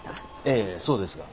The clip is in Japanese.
ええそうですが。